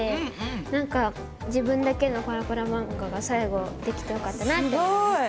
なんか自分だけのパラパラ漫画が最後できてよかったなって思いました。